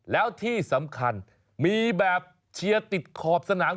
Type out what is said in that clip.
แล้วที่สำคัญมีแบบเชียร์ติดขอบสนาม